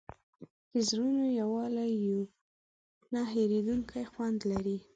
د زړونو یووالی یو نه هېرېدونکی خوند لري.